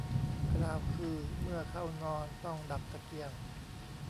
กล่าวคือเมื่อเข้านอนต้อง ดับตะเกียง